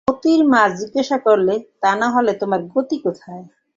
মোতির মা জিজ্ঞাসা করলে, তা হলে তোমার গতি কোথায়?